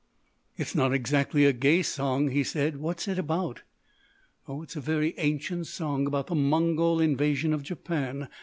"It's not exactly a gay song," he said. "What's it about?" "Oh, it's a very ancient song about the Mongol invasion of Japan.